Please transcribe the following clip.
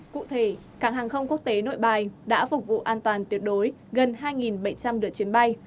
cụ thể cảng hàng không quốc tế nội bài đã phục vụ an toàn tuyệt đối gần hai bảy trăm linh lượt chuyến bay